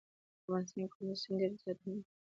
په افغانستان کې کندز سیند ډېر زیات اهمیت لري.